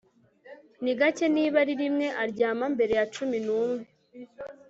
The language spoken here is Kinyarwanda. Ni gake niba ari rimwe aryama mbere ya cumi numwe